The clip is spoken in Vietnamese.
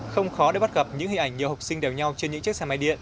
không khó để bắt gặp những hình ảnh nhiều học sinh đều nhau trên những chiếc xe máy điện